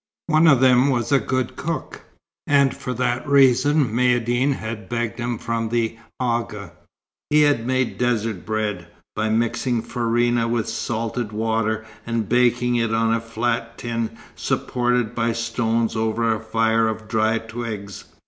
One of them was a good cook, and for that reason Maïeddine had begged him from the Agha. He made desert bread, by mixing farina with salted water, and baking it on a flat tin supported by stones over a fire of dry twigs.